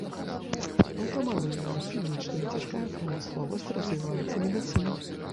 Аўтамабільная, хімічная і цяжкая прамысловасць, развіваецца медыцына.